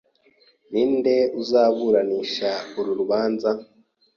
Ninde uzaburanisha uru rubanza?